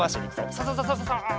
ササササササ。